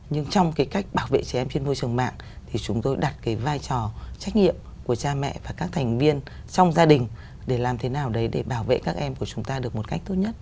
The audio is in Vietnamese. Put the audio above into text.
nhưng trong cái cách bảo vệ trẻ em trên môi trường mạng thì chúng tôi đặt cái vai trò trách nhiệm của cha mẹ và các thành viên trong gia đình để làm thế nào đấy để bảo vệ các em của chúng ta được một cách tốt nhất